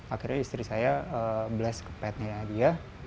akhirnya istri saya bless ke patnya ya dia